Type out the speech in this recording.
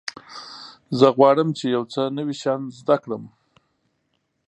زه غواړم چې یو څه نوي شیان زده کړم.